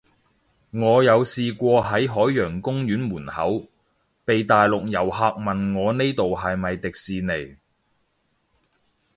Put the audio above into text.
我有試過喺海洋公園門口，被大陸遊客問我呢度係咪迪士尼